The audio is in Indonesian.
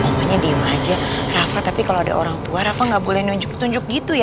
pokoknya diem aja rafa tapi kalau ada orang tua rafa nggak boleh nunjuk nunjuk gitu ya